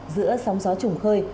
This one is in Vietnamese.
giữa sóng gió trùng khơi